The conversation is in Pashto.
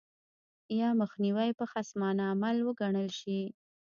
یا مخنیوی به خصمانه عمل وګڼل شي.